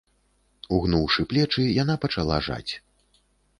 Угнуўшы плечы, яна пачала жаць.